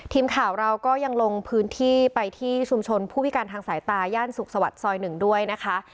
ทีมข่าวเราก็ยังลงพื้นที่ไปที่ชุมชนผู้พิการทางสายตาย่านสุขสวัสดิ์ซอย๑ด้วยนะคะ